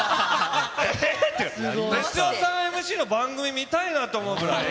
ええって、哲代さんＭＣの番組見たいなと思うぐらい。